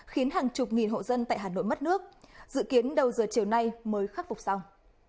khiến hàng chục nghìn hộ dân tại hà nội mất nước dự kiến đầu giờ chiều nay mới khắc phục xong